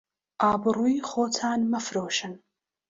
ئابڕووی خۆتان مەفرۆشن